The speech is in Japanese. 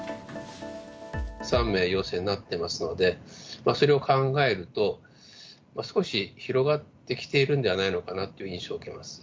３名陽性になっていますので、それを考えると、少し広がってきているんではないのかなという印象を受けます。